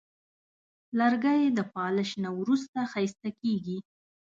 لرګی د پالش نه وروسته ښایسته کېږي.